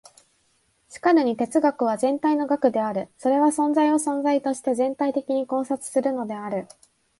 しかるに哲学は全体の学である。それは存在を存在として全体的に考察するのである。